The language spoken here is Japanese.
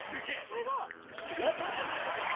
・・すごい・・え！